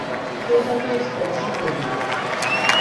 তাকে কেউ স্পর্শ করবি না।